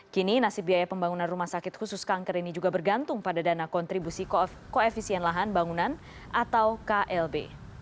kini nasib biaya pembangunan rumah sakit khusus kanker ini juga bergantung pada dana kontribusi koefisien lahan bangunan atau klb